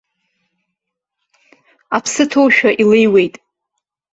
Аԥсы ҭоушәа илеиуеит.